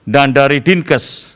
dan dari dinkes